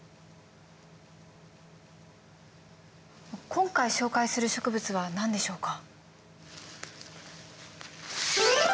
今回紹介する植物は何でしょうか？